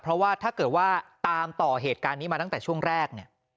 เพราะว่าถ้าเกิดว่าตามต่อเหตุการณ์นี้มาตั้งแต่ช่วงแรกเนี่ย